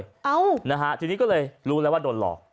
หนีออกไปเลยนะฮะทีนี้ก็เลยรู้แล้วว่าโดนหลอก